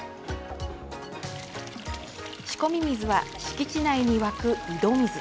仕込み水は敷地内に湧く、井戸水。